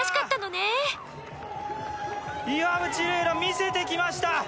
楽魅せてきました！